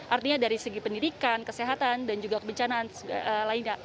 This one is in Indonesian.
artinya dari segi pendidikan kesehatan dan juga kebencanaan lainnya